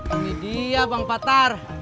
ini dia bang patar